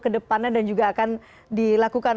kedepannya dan juga akan dilakukan